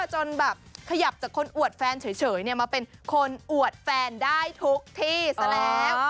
จนแบบขยับจากคนอวดแฟนเฉยมาเป็นคนอวดแฟนได้ทุกที่ซะแล้ว